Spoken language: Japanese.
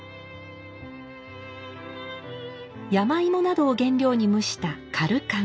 山芋などを原料に蒸した「かるかん」。